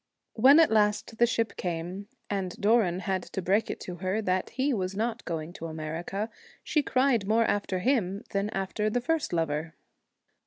When at last the ship came, and Doran had to break it to her that he was not going to America, she cried more after him than after the first lover.